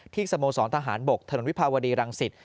ที่สโมสรทหารบกถนนวิภาวดีรังสิทธิ์